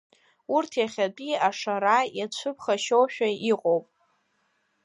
Урҭ иахьатәи ашара иацәыԥхашьошәа иҟоуп.